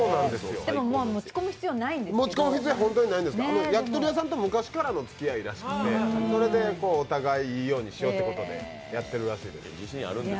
でも、持ち込む必要ないんですけど焼き鳥屋さんとは昔からのつきあいだそうでそれでお互い、いいようにしようということでやってるらしいです。